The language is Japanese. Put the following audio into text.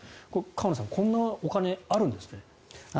河野さんこんなお金、あるんですね。